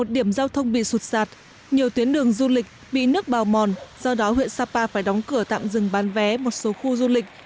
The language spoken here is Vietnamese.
một mươi điểm giao thông bị sụt sạt nhiều tuyến đường du lịch bị nước bào mòn do đó huyện sapa phải đóng cửa tạm dừng bán vé một số khu du lịch